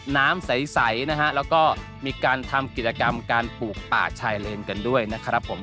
น้ำใสนะฮะแล้วก็มีการทำกิจกรรมการปลูกป่าชายเลนกันด้วยนะครับผม